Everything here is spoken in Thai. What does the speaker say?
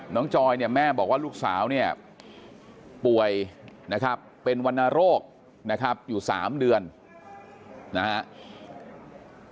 น้องจอยแม่บอกว่าลูกสาวป่วยเป็นวรรณโรคอยู่๓เดือนนะครับ